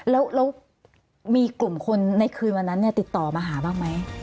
แล้วมีกลุ่มคนในคืนวันนั้นติดต่อมาหาบ้างไหม